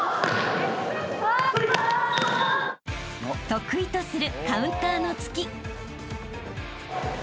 ［得意とするカウンターの突き］